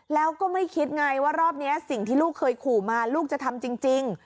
แล้วก็ไม่คิดไงว่ารอบนี้สิ่งที่ลูกเคยขู่มาลูกจะทำจริง